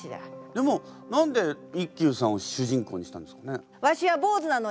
でも何で一休さんを主人公にしたんですかね？